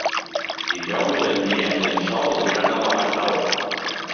Dijous en Guillem i en Sol iran a la Vall d'Alba.